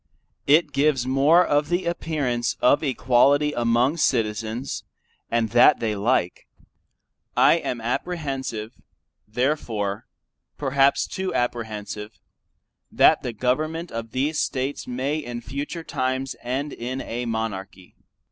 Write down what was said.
It gives more of the appearance of equality among Citizens, and that they like. I am apprehensive therefore, perhaps too apprehensive, that the Government of these States, may in future times, end in a Monarchy.